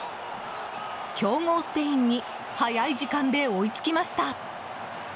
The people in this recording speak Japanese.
強豪スペインに早い時間で追いつきました。